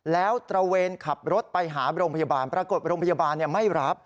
แล้วตระเวนขับรถไปหาโรงพยาบาลปรากฏโรงพยาบาลไม่รับ